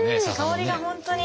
香りが本当に。